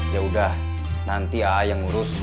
yaudah nanti a yang urus